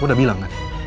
lo udah bilang kan